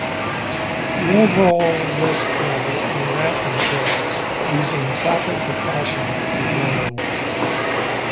The overall risk level on a rafting trip using proper precautions is low.